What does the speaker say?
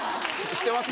知ってます？